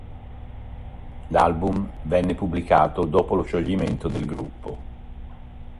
L'album venne pubblicato dopo lo scioglimento del gruppo.